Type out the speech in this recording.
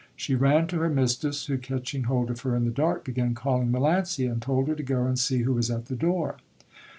She ran to her mistress, who, catching hold of her in the dark, began calling Melancia ! and told her to go and see v ho was at the door.